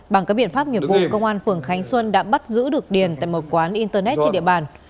bằng các biện pháp nghiệp vụ công an phường khánh xuân đã bắt giữ được điền tại một quán internet trên địa bàn